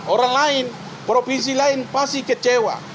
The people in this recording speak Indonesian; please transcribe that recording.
orang lain provinsi lain pasti kecewa